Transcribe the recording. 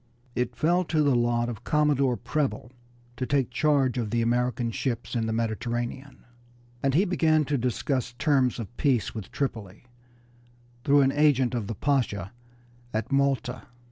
It fell to the lot of Commodore Preble to take charge of the American ships in the Mediterranean, and he began to discuss terms of peace with Tripoli through an agent of the Pasha at Malta.